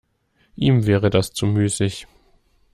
Ihm wäre das zu müßig.